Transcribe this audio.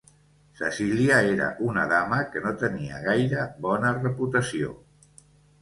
Cecília era una dama que no tenia gaire bona reputació.